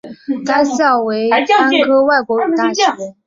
该校为单科外国语大学。